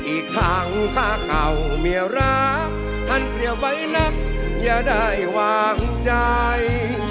อีกทั้งค่าเก่าเมียรักท่านเปรียบไว้นักอย่าได้วางใจ